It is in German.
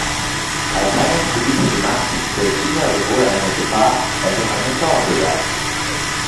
Als handelspolitische Macht stellt China sowohl eine Gefahr als auch eine Chance dar.